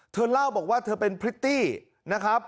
เธอเล่าบอกว่าเธอเป็นพริตตี้นะครับ